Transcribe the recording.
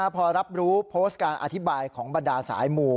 พอรับรู้โพสต์การอธิบายของบรรดาสายหมู่